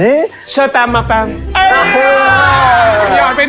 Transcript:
ตอนนี้หย่อไปหน่อย